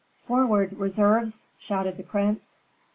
"Forward, reserves!" shouted the prince.